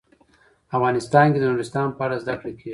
افغانستان کې د نورستان په اړه زده کړه کېږي.